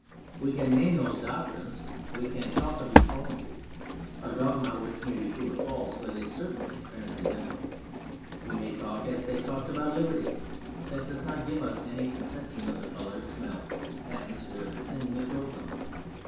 We can name those doctrines, we can talk of "equality" a dogma which may be true or false, but is certainly transcendental ; we may talk as they talked about "liberty," but that does not give us any conception of the colour, smell, atmosphere, of the thing that drove them.